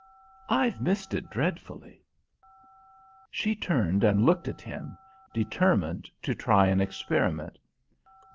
I've missed it dreadfully." She turned and looked at him, determined to try an experiment.